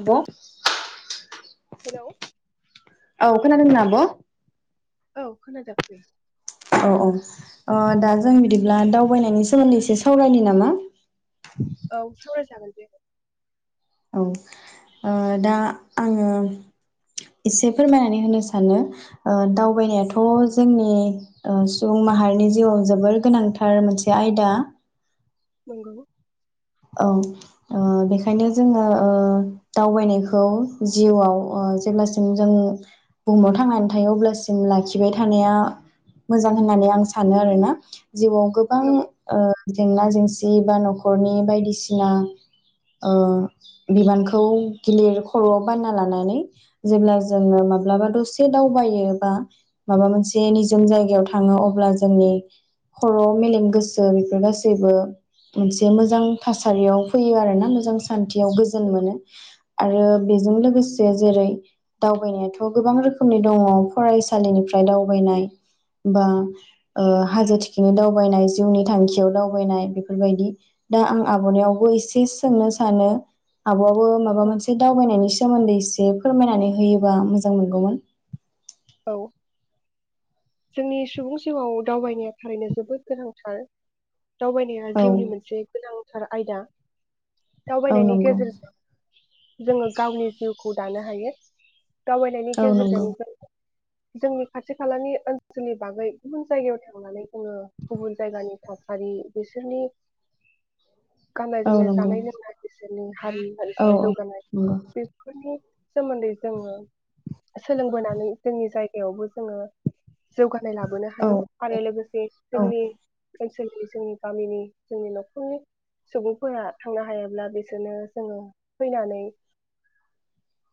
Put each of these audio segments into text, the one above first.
Hello औ। Hello खोनादों ना आब'? औ खोना [unintelligible] औ औ ओ दा जों बिदिब्ला दावबायनायनि सोमोन्दै एसे सावरायनो नामा? औ सावरायजागोन दे। औ ओ दा आङो एसे फोरमायनानै होनो सानो। ओ ओं दावबायनायाथ' जोंनि ओ सुबुं माहारिनि जिउआव जोबोर गोनांथार मोनसे आयदा। नंगौ। औ ओ बेखायनो जोङो ओ दावबायनायखौ जिउआव ओ जेब्लासिम जों बुहुमाव थांनानै थायो अब्लासिम लाखिबाय थानाया मोजां होननानै आं सानो आरोना। जिउआव गोबां नंगौ ओ जेंना जों जिबा नख'रनि बायदिसिना बिबानखौ गिलिर खर'आव बानना लानानै जेब्ला जोङो माब्लाबा दसे दावबायो बा माबा मोनसे निजोम जायगायाव थाङो अब्ला जोंनि खर' मेलेम गोसो बेफोर गासैबो मोनसे मोजां मोजां थासारियाव फैयो आरोना मोजां थासा खान्थियाव गोजोन मोनो आरो बेजों लोगोसे जेरै दावबायनायाथ' बे गोबां रोखोमनि दङ फरायसालिनिफ्राय दावबायनाय बा हाजो थखिनि दावबायनाय जिउनि थांखियाव दावबायनाय बेफोरबायदि दा आं आब'नायावबो एसे सोंनो सानो आब'आबो माबा नंगौ औ मोनसे दावबायनायनि सायाव सोमोन्दै एसे फोरमायनानै होयोबा मोजां मोनगौमोन औ जोंनि सुबुं जिउआव दावबायनाया थारैनो जोबोद गोनांथार दावबायनाया औ जिउनि मोनसे गोनां सार आयदा औ दावबायनायनि नंगौ गेजेरजों जोङो गावनि जिउखौ खौ दानो हायो दावबायनायनि औ गेजेरजों नंगौ जों जोंनि खाथि खालानि ओनसोल ओनसोलनि बागै गुबुन जायगायाव थांनानै जोङो गुबुन जायगानि थासारि बिसोरनि गाननाय औ जोमनाय नंगौ जानाय लोंनाय बिसोरनि हारि औ हारिसा जौगानाय नंगौ बेफोरनि सोमोन्दै जोङो सोलोंबोनानै जोंनि जाय बेयावबो जोङो जौगानाय लाबोनो औ हायो आरो लोगोसे औ जोंनिओ ओनसोलनि जोंनि गामिनि जोंनि न'खरनि सुबुंफोरा थांनो हायाब्ला बिसोरनो जोङो फैनानै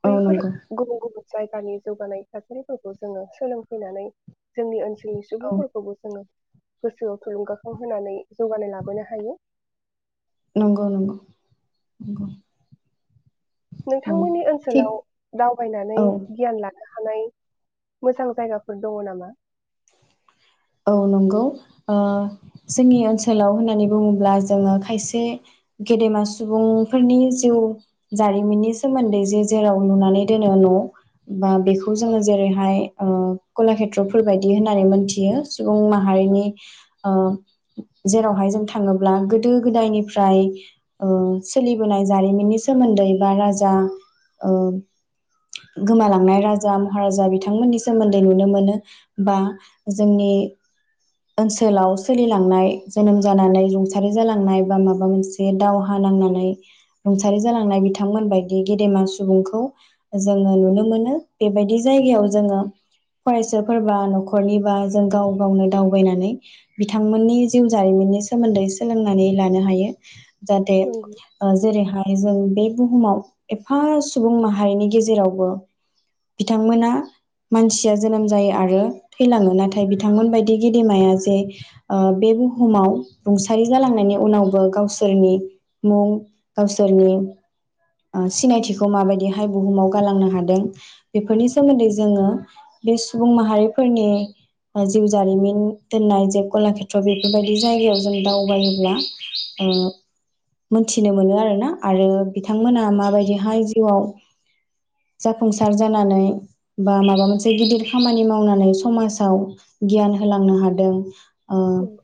औ बैफोर नंगौ गुबुन गुबुन जायगानि जौगानाय थासारिफोरखौ जोङो सोलोंफैनानै जोंनि ओनसो जोंनि औ सुबुंफोरखौबो जोङो गोसोआव थुलुंगाखां होनानै जौगानाय लाबोनो हायो। नंगौ नंगौ नंगौ औ नोंथांमोननि थिग ओनसोलाव दावबायनानै औ गियान लानो हा हानाय मोजां जायगाफोर दङ' नामा? औ नंगौ ओ जोंनि ओनसोलाव होननानै बुङोब्ला जोङो खायसे गेदेमा सुबुंफोरनि जिउ जारिमिननि सोमोन्दै जे जेराव लुनानै दोनो न' बा बेखौ औ जोङो जेरैहाय कलाषेत्रफोर बायदि होननानै मोनथियो सुबुं माहारिनि ओ जेरावहाय जों थाङोब्ला गोदो गोदायनिफ्राय ओ सोलिबोनाय जारिमिननि सोमोन्दै बा राजा गोमालांनाय राजा महाराजा बिथांमोननि सोमोन्दै नुनो मोनो बा जोंनि [inaudible] ओनसोलाव सोलिलांनाय जोनोम जानानै रुंसारि जालांनाय बा माबा मोनसे दावहा नांनानै रुंसारि जालांनाय बिथांमोन बायदि गेदेमा सुबुंखौ जोङो नुनो मोनो बेबायदि जायगायाव जोङो फरायसाफोरबा न'खरनिबा जों गाव गावनो दाव बायनानै बिथांमोननि जिउ जारिमिननि सोमोन्दै सोलोंनानै लानो हायो। जाहाथे नंगौ ओ जेरैहाय हायो जों बे बुहुमाव एफा सुबुं माहारिनि गेजेरावबो बिथांमोना मानसिया जोनोम जायो आरो थैलाङो नाथाय बिथांमोन बायदि गेदेमाया जे ओ बे बुहुमाव रुंसारि जालांनायनि उनावबो गावसोरनि मुं गावसोरनि ओ सिनायथिखौ माबायदिहाय बुहुमाव गालांनो हादों बेफोरनि सोमोन्दै जोङो बे सुबुं माहारिफोरनि ओ जिउ जारिमिन दोननाय जे कलाषेत्र बेफोरबायदि जायगायाव जों दावबायोब्ला ओ मोनथिनो मोनो आरोना आरो बि थांमोना माबायदिहाय जिउआव जाफुंसार जानानै बा माबा मोनसे गिदिर खामानि मावनानै समाजाव गियान होलांनो हादों ओ नंगौ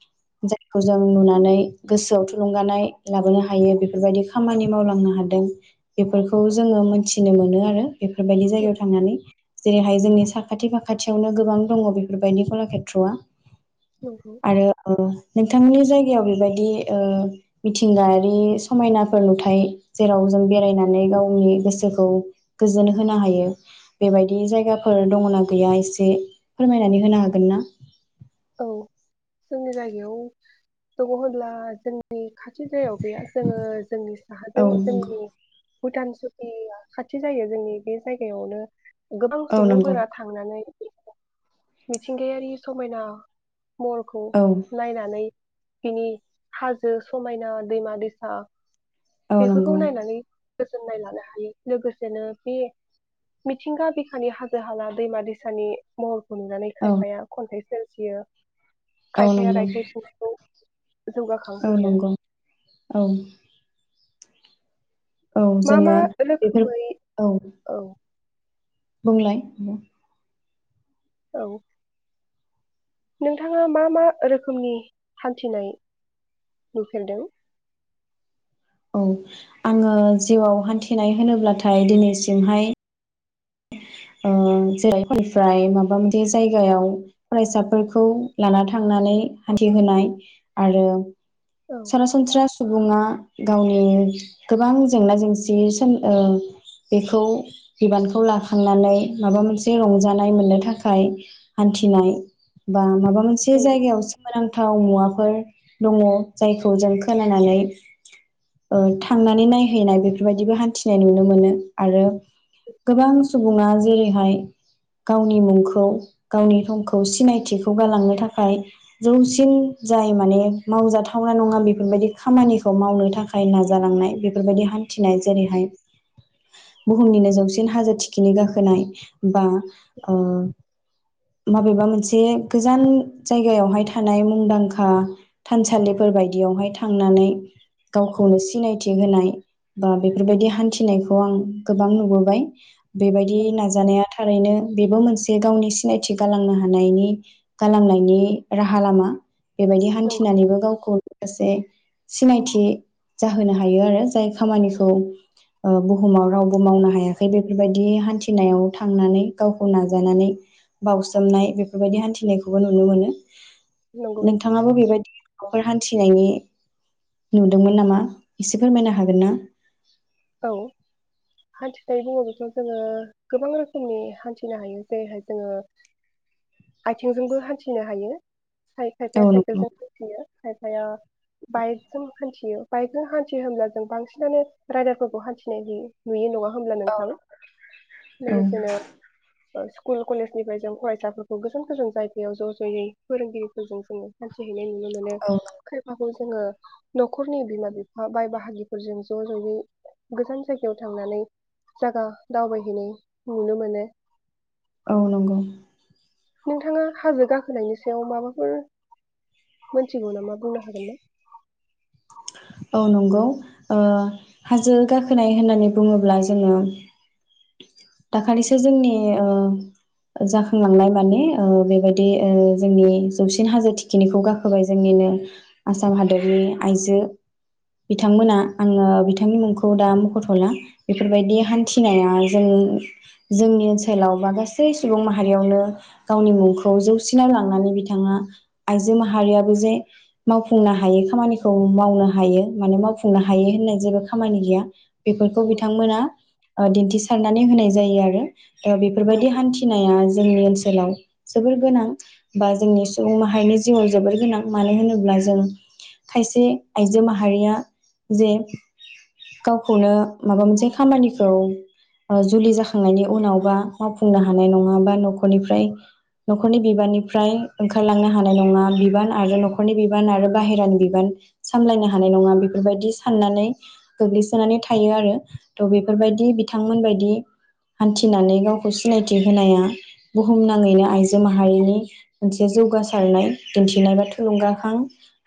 जायखौ जों नुनानै गोसोआव थुलुंगानाय लाबोनो हायो बेफोरबायदि खामानि मावलांनो हा दों बेफोरखौ जोङो मोनथिनो मोनो आरो बेफोरबायदि नंगौ जायगायाव थांनानै। जेरैहाय जोंनि साखाथि फाखाथियावनो गोबां दङ बेफोरबायदि कलाषेत्रआ। नंगौ। आरो ओ नोंथांनि जायगायाव ओ बेबायदि मिथिंगायारि समायनाफोर नुथाय जेराव जों बेरायनानै गावनि गोसोखौ गोजोन होनो हायो बेबायदि जायगाफोर दङना गैया एसे फोरमायनानै होनो हागोन ना? औ जोंनि जायगायाव दङ' होनब्ला जों जोंनि खाथि जायगायाव गैया। जोङो जोंनि औ साहाजों नंगौ जोंनि भुटान सुतिया खाथि जायो जोंनि बे जायगायावनो गोबां औ नंगौ सुबुंफोरा थांनानै मिथिंगायारि समायना महरखौ औ नायनानै बिनि हाजो समायना दैमा-दैसा औ बेफोरखौ नंगौ नायनानै गोजोननाय लानो हायो लोगोसेनो बे मिथिंगा बिखानि हाजो हाला दैमा दैसानि महर खौ नुनानै औ खायफाया खन्थाइ सोरजियो औ खायफाया नंगौ रायथाय थुनलाइखौ औ जौगाखांहोयो नंगौ औ। औ मा मा जोङो बेफोर रोखोमै औ। औ बुंलाय। औ। नोंथाङा मा मा रोखोमनि हान्थिनाय नुफेरदों? औ आङो जिउआव हान्थिनाय होनोब्लाथाय दिनैसिमहाय ओ जेरैनिफ्राय माबा मोनसे जायगायाव फरायसाफोरखौ लाना थांनानै हान्थिहोनाय आरो औ सरासनस्रा सुबुङा गावनि गोबां जेंना-जेंसि सों ओ बेखौ बिबानखौ ला फानानै माबा मोनसे रंजानाय मोननो थाखाय हान्थिनाय बा माबा मोनसे नंगौ जायगायाव सोमोनां थाव मुवाफोर दङ जायखौ जों खोनानानै थांनानै ओ नायहैनाय बेफोरबायदिबो हान्थिनाय नुनो मोनो आरो गोबां सुबुङा जेरैहाय गावनि मुंखौ गावनि समखौ सिनायथिखौ गालांनो थाखाय जौसिन जाय माने मावजाथावना नङा बेफोरबायदि खामानिखौ मावनो थाखाय नाजालांनाय बेफोरबायदि हान्थिनाय जेरैहाय बुहुमनिनो जौसिन हाजो थिख खिनि गाखोनाय बा ओ माबेबा मोनसे गोजान जायगायावहाय थानाय मुंदांखा थानसालिफोर बायदियावहाय थांनानै गावखौनो सिनायथि होनाय बा बेफोरबायदि हान्थिनायखौ आं गोबां नुबोबाय। बेबायदि औ नाजानाया थारैनो बेबो मोनसे गावनि सिनायथि गालांनो हानायनि गालांनायनि राहा लामा। बेबायदि नंगौ हान्थिनानैबो गावखौ एसे सिनायथि जाहोनो हायो आरो जाय खामानिखौ ओ बुहुमाव रावबो मावनो हायाखै बेफ बेफोरबायदि हान्थिनायाव थांनानै गावखौ नाजानानै बावसोमनाय बेफोरबायदि हान्थिनायखौबो नुनो मोनो। नंगौ नोंथां। नोंथाङाबो बेबायदि माफोर हान्थिनायनि नुदोंमोन नामा एसे फोरमायनो हागोन ना? औ हान्थिनाय बुङोबाथ जोङो गोबां रोखोमनि हान्थिनो हायो जेरैहाय जोङो आथिंजोंबो हान्थिनो हायो। खायफ-खायफाया औ नंगौ साइकेलजों हान्थियो खायफाया बाइकजों हान्थियो। बाइकजों हान्थि होनब्ला जों बांसिनानो रायदारफोर खौ हान्थिनाय नुयो नुयो नङा। होमब्ला औ नोंथां लोगोसेनो ओह स्कुल कलेजनिफ्राय जों फरायसाफोरखौ गोजान गोजान जायगायाव ज जयै फोरोंगिरिफोरखौ जोङो हान्थि हैनाय नुनो मोनो औ खायफाखौ जों जोङो नख'रनि बिमा बिफा बाय बाहागिफोरजों ज जयै गोजान जायगायाव थांनानै जागा दावबायहैनाय नुनो मोनो। औ नंगौ। नोंथाङा हाजो गाखोनायनि सायाव माबाफोर मोनथिगौ नामा बुंनो हागोन ना? औ नंगौ ओ हाजो गाखोनाय होननानै बुङोब्ला जोङो दाखालिसो जोंनि ओ जाखांलांनाय माने ओ बेबायदि ओ जोंनि जौसिन हाजो थिखिनिखौ गाखोबाय जोंनिनो आसाम हादरनि आइजो औ बिथांमोना आङो बिथ बिथांनि मुंखौ दा मखथला बेफोरबायदि औ हान्थिनाया जोंङो जोंनि ओनसोलाव बा गासै सुबुं माहारियावनो गावनि मुंखौ जौसिनाव लांनानै बिथाङा आइजो माहारियाबो जे मावफुंनो हायै खामानिखौ मावनो हा हायो माने मावफुंनो हायो होननाय जेबो खामानि गैया। बेफोरखौ नंगौ बिथांमोना ओ दिन्थिसारनानै होनाय जायो आरो। ओ बेफोरबायदि नंगौ हान्थिनाया जो जोंनि ओनसोलाव जोबोर गोनां बा जोंनि सुबुं माहारिनि जिउआव जोबोर गोनां मानो होनोब्ला जों खायसे आइजो माहारिया जे गावखौनो माबा मोनसे खामानिखौ ओ जुलि जाखांनायनि उनावबा मावफुंनो हानाय नङा बा नखरनिफ्राय नखरनि बिबाननिफ्राय ओंखारलांनो हानाय नङा बिबान आरो नखरनि बिबान आरो बाहेरानि बिबान सामलायनो हानाय नङा बेफोरबायदि साननानै गोग्लैसोनानै थायो आरो थह बेफोरबायदि बिथांमोनबायदि हान्थिनानै गावखौ सिनायथि होनाया बुहुमनाङैनो आइजो जो माहारिनि मोनसे जौगासारनाय। दिन्थिनाय बा थुलुंगाखां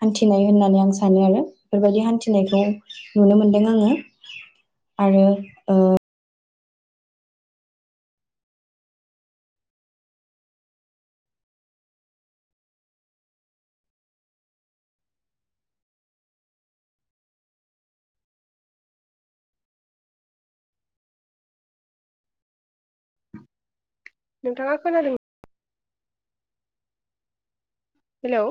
हान्थिनाय होननानै आं सान सानो आरो बेफोरबायदि हान्थिनायखौ नुनो मोनदों आङो आरो ओ नोंथाङा खोनादों हेलौ।